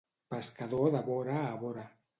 Pescador de vora a vora.